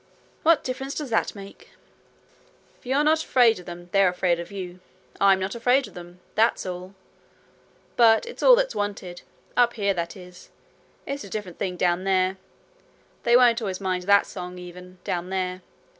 'What difference does that make?' 'If you're not afraid of them, they're afraid of you. I'm not afraid of them. That's all. But it's all that's wanted up here, that is. It's a different thing down there. They won't always mind that song even, down there.